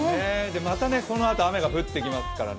また、このあと雨が降ってきますからね。